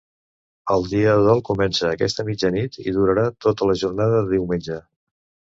El dia de dol comença aquesta mitjanit i durarà tota la jornada de diumenge.